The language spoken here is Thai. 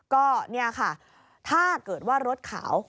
ก็เนี่ยค่ะถ้าเกิดว่ารถขาว